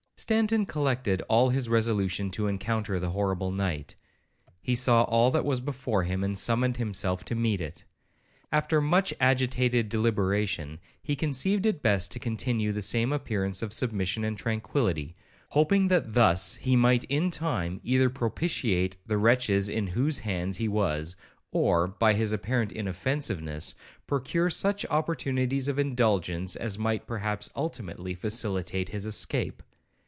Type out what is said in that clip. Stanton collected all his resolution to encounter the horrible night; he saw all that was before him, and summoned himself to meet it. After much agitated deliberation, he conceived it best to continue the same appearance of submission and tranquillity, hoping that thus he might in time either propitiate the wretches in whose hands he was, or, by his apparent inoffensiveness, procure such opportunities of indulgence, as might perhaps ultimately facilitate his escape.